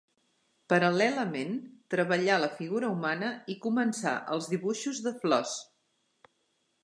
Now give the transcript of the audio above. Paral·lelament, treballà la figura humana i començà els dibuixos de flors.